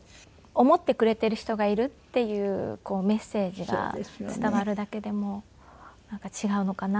思ってくれている人がいるっていうメッセージが伝わるだけでもなんか違うのかなって。